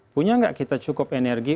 punya nggak kita cukup energi